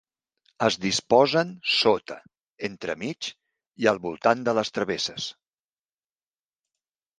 Es disposen sota, entremig i al voltant de les travesses.